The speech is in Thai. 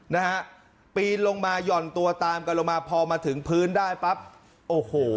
นะฮะปีนลงมาหย่อนตัวตามกันลงมาพอมาถึงพื้นได้ปั๊บโอ้โห